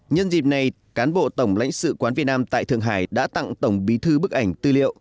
nhân dịp này cán bộ tổng lãnh sự quán việt nam tại thượng hải đã tặng tổng bí thư bức ảnh tư liệu